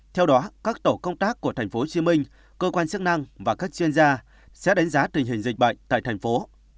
theo đó các tổ công tác của tp hcm cơ quan chức năng và các chuyên gia sẽ đánh giá tình hình dịch bệnh tại thành phố